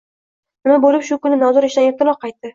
Nima bo`lib, shu kuni Nodir ishdan ertaroq qaytdi